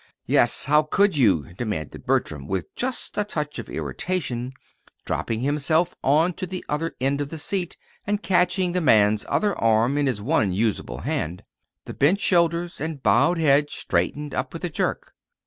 "Yes, how could you?" demanded Bertram, with just a touch of irritation, dropping himself on to the other end of the seat, and catching the man's other arm in his one usable hand. The bent shoulders and bowed head straightened up with a jerk.